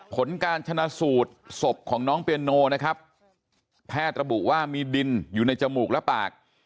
ผลการชนะสูตรศพของน้องเปียโนนะครับแพทย์ระบุว่ามีดินอยู่ในจมูกและปาก